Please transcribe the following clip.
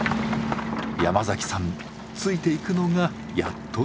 山崎さんついていくのがやっとのよう。